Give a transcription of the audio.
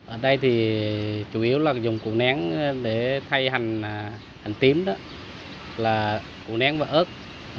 ở đây thì chủ yếu là dùng củ nén để thay hành tím đó là củ nén và ớt